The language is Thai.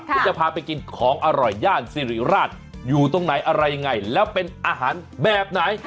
คุณจะพาไปกินของอร่อยย่านสิริราชอยู่ตรงไหนอะไรยังไงแล้วเป็นอาหารแบบไหน